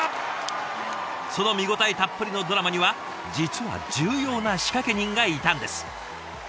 その見応えたっぷりのドラマには実は重要な仕掛け人がいたんです。